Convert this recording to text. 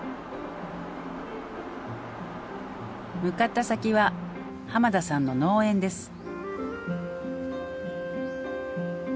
向かった先は浜田さんの農園です。